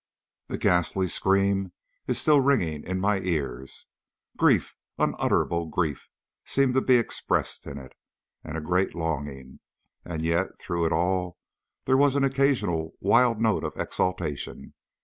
The ghastly scream is still ringing in my ears. Grief, unutterable grief, seemed to be expressed in it, and a great longing, and yet through it all there was an occasional wild note of exultation.